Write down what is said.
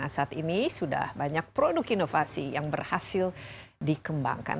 saat ini sudah banyak produk inovasi yang berhasil dikembangkan